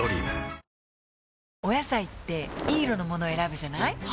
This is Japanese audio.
ワオお野菜っていい色のもの選ぶじゃない？